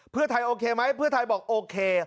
เพื่อไทยโอเคไหมเพื่อไทยบอกโอเค